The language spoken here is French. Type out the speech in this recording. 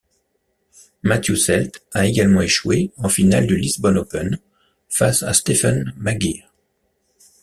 Matthew Selt a également échoué en finale du Lisbon Open face à Stephen Maguire.